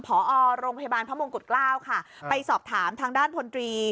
พอโรงพยาบาลพระมงกุฎเกล้าค่ะไปสอบถามทางด้านพลตรี